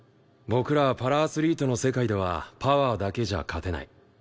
僕らパラアスリートの世界ではパワーだけじゃ勝てない。